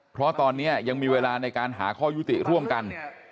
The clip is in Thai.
เพราะตอนนี้ยังมีเวลาในการหาข้อยุติร่วมกัน